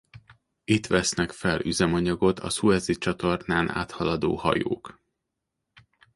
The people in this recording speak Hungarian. Itt vesznek fel üzemanyagot a Szuezi-csatornán áthaladó hajók.